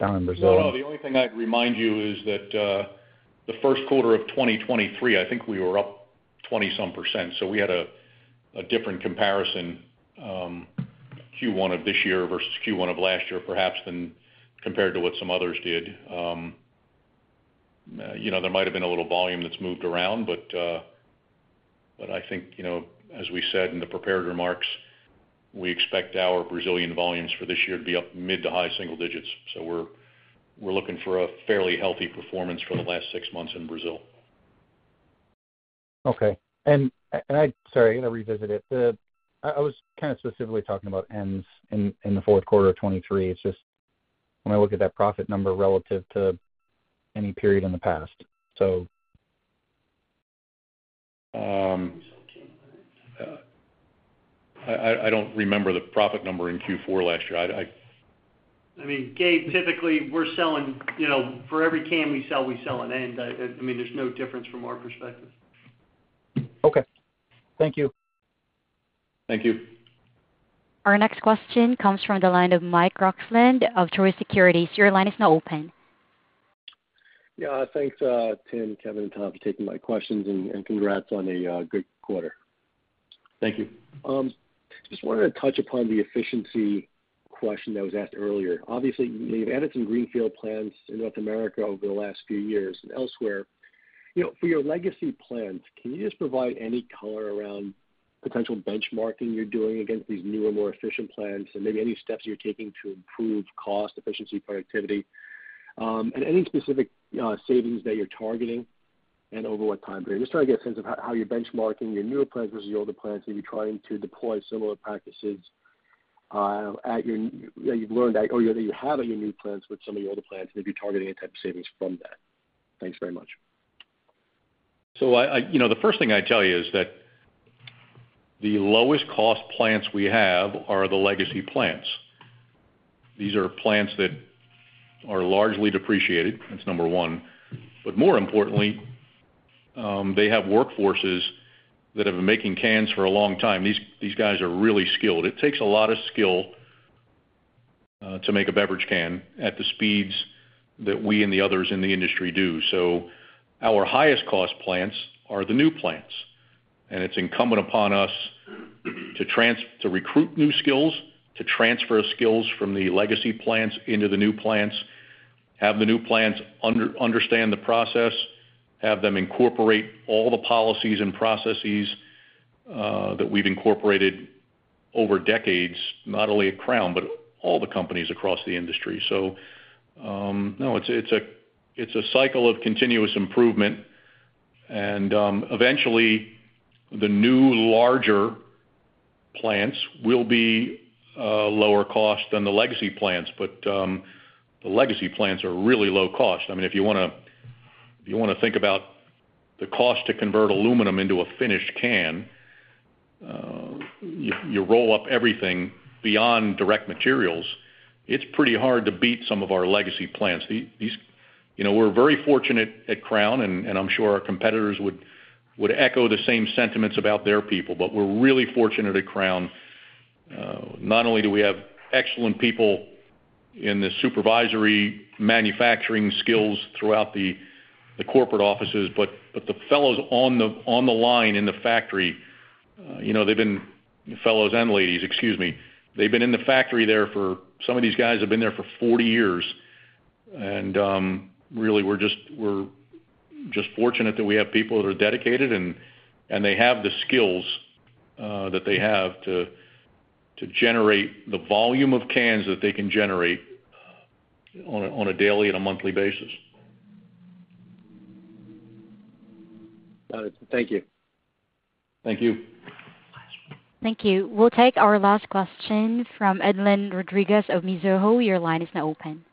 down in Brazil? No, no. The only thing I'd remind you is that, the first quarter of 2023, I think we were up 20-some%, so we had a different comparison, Q1 of this year versus Q1 of last year, perhaps than compared to what some others did. You know, there might have been a little volume that's moved around, but, but I think, you know, as we said in the prepared remarks, we expect our Brazilian volumes for this year to be up mid- to high-single digits. So we're looking for a fairly healthy performance for the last six months in Brazil. Okay. And sorry, I'm gonna revisit it. I was kind of specifically talking about ends in the fourth quarter of 2023. It's just when I look at that profit number relative to any period in the past, so. I don't remember the profit number in Q4 last year. I mean, Gabe, typically, we're selling, you know, for every can we sell, we sell an end. I mean, there's no difference from our perspective. Okay. Thank you. Thank you. Our next question comes from the line of Michael Roxland of Truist Securities. Your line is now open. Yeah. Thanks, Tim, Kevin, and Tom, for taking my questions, and congrats on a good quarter. Thank you. Just wanted to touch upon the efficiency question that was asked earlier. Obviously, you've added some greenfield plants in North America over the last few years and elsewhere. You know, for your legacy plants, can you just provide any color around potential benchmarking you're doing against these newer, more efficient plants, and maybe any steps you're taking to improve cost, efficiency, productivity, and any specific savings that you're targeting and over what time frame? Just trying to get a sense of how you're benchmarking your newer plants versus your older plants. Are you trying to deploy similar practices that you've learned at, or that you have at your new plants with some of your older plants, maybe targeting a type of savings from that? Thanks very much. So, you know, the first thing I'd tell you is that the lowest cost plants we have are the legacy plants. These are plants that are largely depreciated, that's number one. But more importantly, they have workforces that have been making cans for a long time. These guys are really skilled. It takes a lot of skill to make a beverage can at the speeds that we and the others in the industry do. So our highest cost plants are the new plants, and it's incumbent upon us to recruit new skills, to transfer skills from the legacy plants into the new plants, have the new plants understand the process, have them incorporate all the policies and processes that we've incorporated over decades, not only at Crown, but all the companies across the industry. So, no, it's a cycle of continuous improvement, and eventually, the new larger plants will be lower cost than the legacy plants. But, the legacy plants are really low cost. I mean, if you wanna think about the cost to convert aluminum into a finished can, you roll up everything beyond direct materials. It's pretty hard to beat some of our legacy plants. You know, we're very fortunate at Crown, and I'm sure our competitors would echo the same sentiments about their people, but we're really fortunate at Crown. Not only do we have excellent people in the supervisory manufacturing skills throughout the corporate offices, but the fellows on the line in the factory, you know, they've been fellows and ladies, excuse me, they've been in the factory there for... Some of these guys have been there for 40 years. Really, we're just fortunate that we have people that are dedicated, and they have the skills that they have to generate the volume of cans that they can generate on a daily and a monthly basis. Got it. Thank you. Thank you. Thank you. We'll take our last question from Edlain Rodriguez of Mizuho. Your line is now open.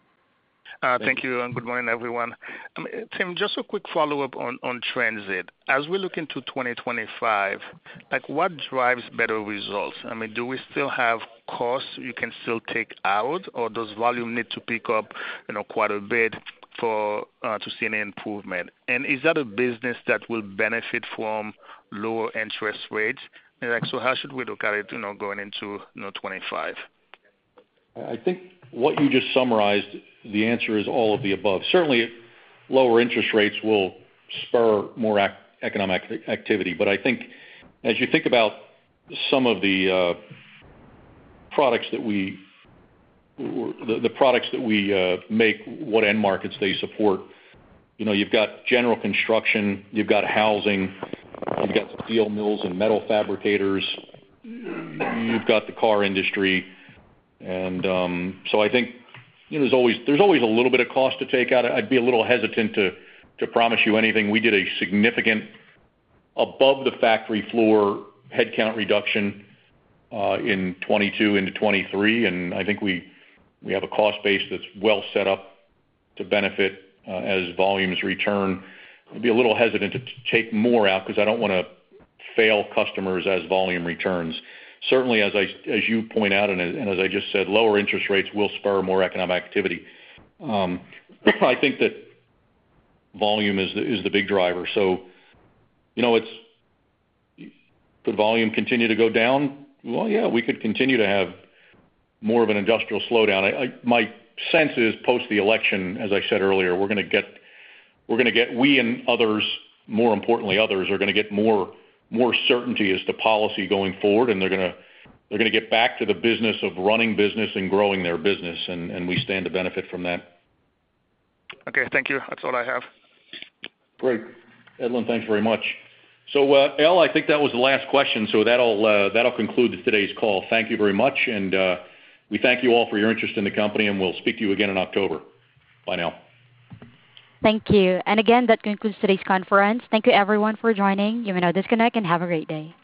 Thank you, and good morning, everyone. Tim, just a quick follow-up on, on transit. As we look into 2025, like, what drives better results? I mean, do we still have costs you can still take out, or does volume need to pick up, you know, quite a bit for, to see any improvement? And is that a business that will benefit from lower interest rates? Like, so how should we look at it, you know, going into, you know, 2025? I think what you just summarized, the answer is all of the above. Certainly, lower interest rates will spur more economic activity. But I think as you think about some of the products that we make, what end markets they support, you know, you've got general construction, you've got housing, you've got steel mills and metal fabricators, you've got the car industry. And so I think, you know, there's always a little bit of cost to take out. I'd be a little hesitant to promise you anything. We did a significant above the factory floor headcount reduction in 2022 into 2023, and I think we have a cost base that's well set up to benefit as volumes return. I'd be a little hesitant to take more out, 'cause I don't wanna fail customers as volume returns. Certainly, as you point out, and as I just said, lower interest rates will spur more economic activity. I think that volume is the big driver. So you know, it's. Could volume continue to go down? Well, yeah, we could continue to have more of an industrial slowdown. My sense is, post the election, as I said earlier, we're gonna get, we and others, more importantly, others, are gonna get more certainty as to policy going forward, and they're gonna get back to the business of running business and growing their business, and we stand to benefit from that. Okay, thank you. That's all I have. Great. Edlain, thanks very much. So, Al, I think that was the last question, so that'll conclude today's call. Thank you very much, and we thank you all for your interest in the company, and we'll speak to you again in October. Bye now. Thank you. Again, that concludes today's conference. Thank you, everyone, for joining. You may now disconnect and have a great day.